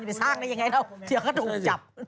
เดี๋ยวเขาถูกจับ